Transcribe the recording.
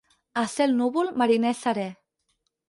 A cel núvol, mariner serè.